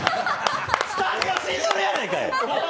スタジオ死んでるやないかい！